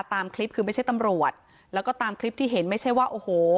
ตามคลิปคือไม่ใช่ตำรวจแล้วก็ตามคลิปที่เห็นไม่ใช่ว่าโอ้โห